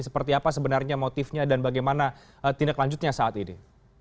seperti apa sebenarnya motifnya dan bagaimana tindak lanjutnya saat ini